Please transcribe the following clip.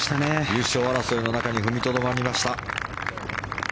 優勝争いの中に踏みとどまりました。